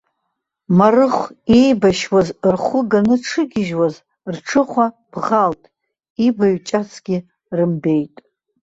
Марыхә иеибашьуаз рхәы ганы дшыгьежьуаз рҽыхәа бӷалт, ибаҩҷацгьы рымбеит.